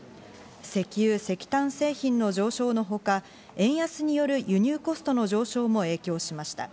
石油・石炭製品の上昇のほか、円安による輸入コストの上昇も影響しました。